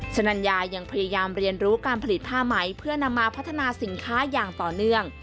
ชนัญญายังพยายามเรียนรู้การผลิตผ้าไหมเพื่อนำมาพัฒนาสินค้าอย่างต่อเนื่อง